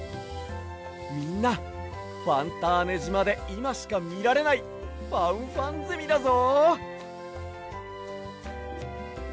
みんなファンターネじまでいましかみられないファンファンゼミだぞ！